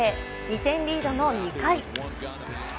２点リードの２回。